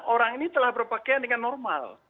orang ini telah berpakaian dengan normal